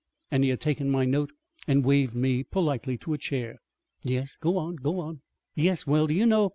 and he had taken my note and waved me politely to a chair." "Yes, go on, go on!" "Yes; well, do you know?